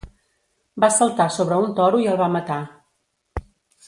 Va saltar sobre un toro i el va matar.